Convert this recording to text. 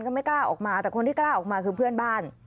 ก็ไม่กล้าออกมาแต่คนที่กล้าออกมาคือเพื่อนบ้าน